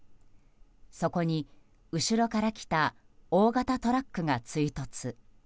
そこに後ろから来た大型トラックが追突。